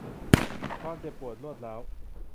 ความเจ็บปวดรวดร้าว